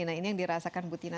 nah ini yang dirasakan bu tina